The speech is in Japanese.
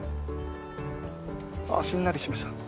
ああしんなりしました。